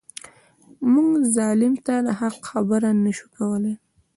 موږ ظالم ته د حق خبره نه شو کولای.